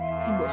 sini simbu suap